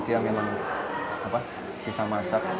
dia memang bisa masak